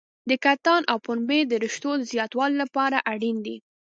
د کتان او پنبې د رشتو د زیاتوالي لپاره اړین دي.